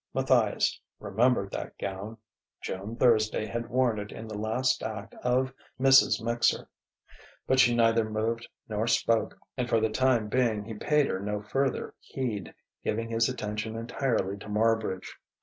Matthias remembered that gown: Joan Thursday had worn it in the last act of "Mrs. Mixer." But she neither moved nor spoke, and for the time being he paid her no further heed, giving his attention entirely to Marbridge.